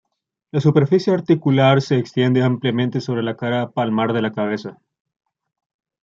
La superficie articular se extiende ampliamente sobre la cara palmar de la cabeza.